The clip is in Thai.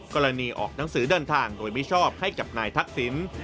กรณีออกหนังสือเดินทางโดยมิชอบให้กับนายทักษิณ